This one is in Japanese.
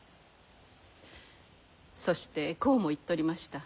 そしてこうも言っとりました。